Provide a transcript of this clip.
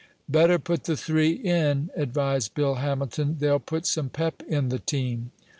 "Better put the three in," advised Bill Hamilton. "They'll put some pep in the team."